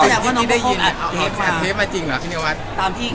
อันนี้ได้ยินอัดเทปมาจริงหรอพี่เจวัด